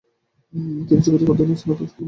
তিনি যোগাযোগ অধ্যয়নে স্নাতক সম্পন্ন করেছেন।